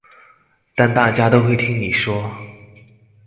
但大家都會聽你說